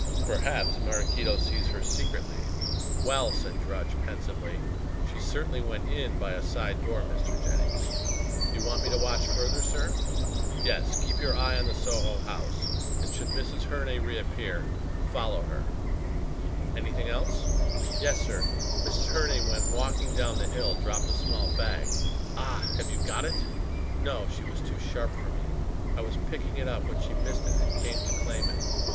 "Perhaps Maraquito sees her secretly." "Well," said Drudge pensively, "she certainly went in by a side door, Mr. Jennings. Do you want me to watch further, sir?" "Yes. Keep your eye on the Soho house, and should Mrs. Herne reappear, follow her. Anything else?" "Yes, sir. Mrs. Herne when walking down the hill dropped a small bag." "Ah! Have you got it?" "No. She was too sharp for me. I was picking it up when she missed it and came to claim it.